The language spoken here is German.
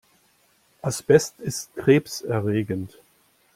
Asbest ist krebserregend.